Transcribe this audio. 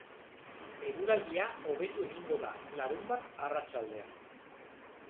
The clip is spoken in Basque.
Eguraldia hobetu egingo da larunbat arratsaldean.